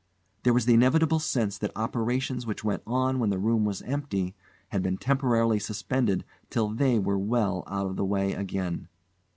There was the inevitable sense that operations which went on when the room was empty had been temporarily suspended till they were well out of the way again.